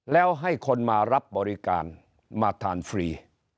แล้วให้คนมารับบริการมาทานฟรี